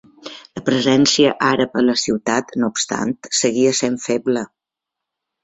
La presència àrab a la ciutat, no obstant, seguia sent feble.